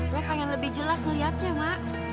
gue pengen lebih jelas melihatnya mak